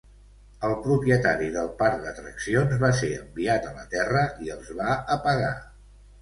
El propietari del parc d'atraccions va ser enviat a la Terra i els va apagar.